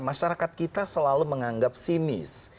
masyarakat kita selalu menganggap sinis